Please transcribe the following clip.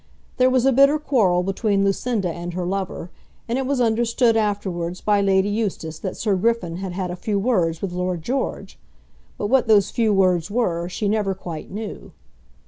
There was a bitter quarrel between Lucinda and her lover, and it was understood afterwards by Lady Eustace that Sir Griffin had had a few words with Lord George; but what those few words were, she never quite knew.